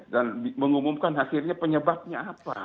dan mengumumkan hasilnya penyebabnya apa